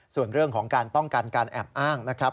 ส่วนเรื่องของการป้องกันการแอบอ้างนะครับ